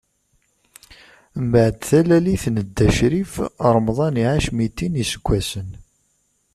Mbeɛd talalit n Dda Crif, Ramḍan iɛac mitin n iseggasen.